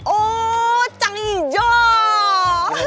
oh kacang hijau